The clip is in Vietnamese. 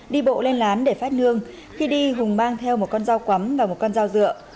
đi bộ lên lán để phát nương khi đi hùng mang theo một con dao cắm và một con dao dựa